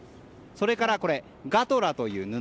それからガトラという布。